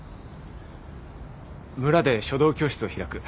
村で書道教室を開く。